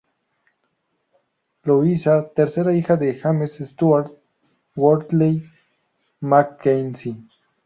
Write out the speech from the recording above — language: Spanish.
Louisa, tercera hija de James Stuart-Wortley-Mackenzie.